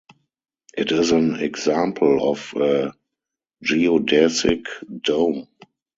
It is an example of a geodesic dome.